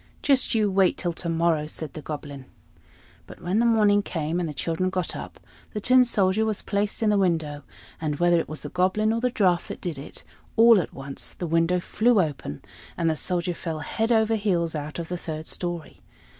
"Just you wait till to morrow!" said the Goblin. But when the morning came, and the children got up, the Tin Soldier was placed in the window; and whether it was the Goblin or the draught that did it, all at once the window flew open, and the Soldier fell head over heels out of the third story.